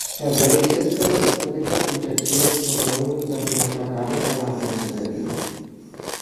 Sir Leicester no té cap objecció sobre un interminable càrrec a la cancelleria